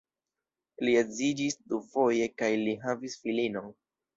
Li edziĝis dufoje kaj li havis filinon.